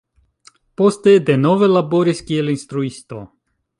Poste, denove laboris kiel instruisto.